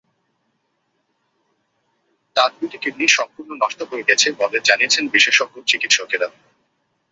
তাঁর দুটি কিডনিই সম্পূর্ণ নষ্ট হয়ে গেছে বলে জানিয়েছেন বিশেষজ্ঞ চিকিৎসকেরা।